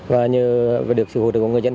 và như được sử dụng được của người dân